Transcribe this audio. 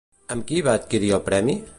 Amb qui va adquirir el premi?